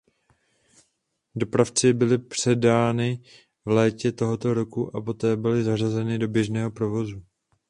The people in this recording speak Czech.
Dopravci byly předány v létě toho roku a poté byly zařazeny do běžného provozu.